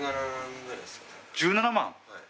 １７万！